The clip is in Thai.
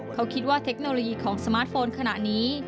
เขาคิดว่าเทคโนโลยีของสมาร์ทโฟนขณะนี้